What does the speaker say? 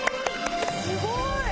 すごい！